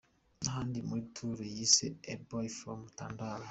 nahandi muri tour yise A Boy from tandale.